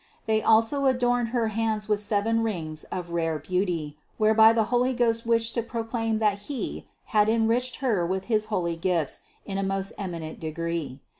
They also adorned her hands with seven rings of rare beauty whereby the Holy Ghost wished to proclaim that He had enriched Her with his holy gifts in a most eminent degree.